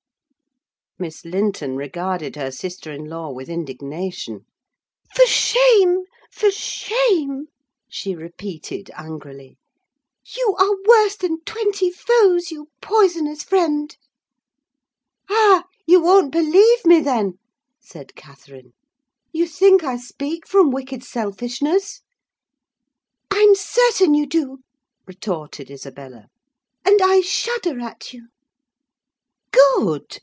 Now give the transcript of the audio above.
Miss Linton regarded her sister in law with indignation. "For shame! for shame!" she repeated, angrily. "You are worse than twenty foes, you poisonous friend!" "Ah! you won't believe me, then?" said Catherine. "You think I speak from wicked selfishness?" "I'm certain you do," retorted Isabella; "and I shudder at you!" "Good!"